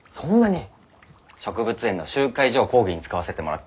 植物園の集会所を講義に使わせてもらってる。